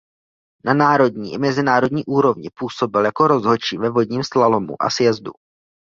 Na národní i mezinárodní úrovni působil jako rozhodčí ve vodním slalomu a sjezdu.